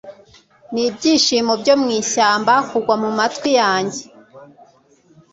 Nibyishimo byo mwishyamba kugwa kumatwi yanjye